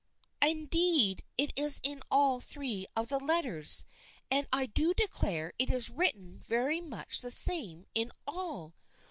Indeed, it is in all three of the letters, and I do declare it is written very much the same in all